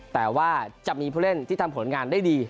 แต่ว่าจะมีผู้เล่นที่ทำผลงานได้ดี